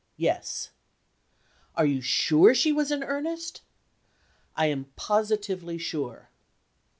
'Yes.' 'Are you sure she was in earnest?' 'I am positively sure.